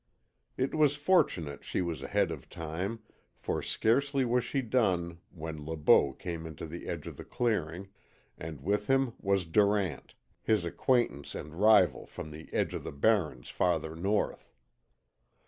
It was fortunate she was ahead of time, for scarcely was she done when Le Beau came into the edge of the clearing, and with him was Durant, his acquaintance and rival from the edge of the Barrens farther north.